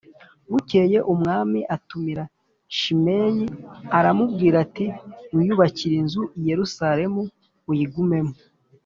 Bukeye umwami atumira Shimeyi aramubwira ati “Wiyubakire inzu i Yerusalemu uyigumemo